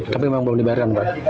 tapi memang belum dibayarkan pak